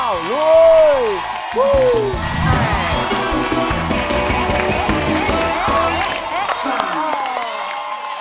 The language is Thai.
สุดยอดมาก